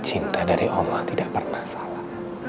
cinta dari allah tidak pernah salah